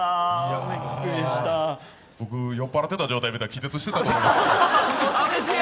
僕、酔っ払った状態で見ていたら気絶していたと思います。